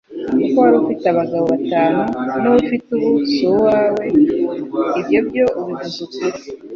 kuko wari ufite abagabo batanu, n'wo ufite ubu si uwawe. Ibyo byo ubivuze ukuri."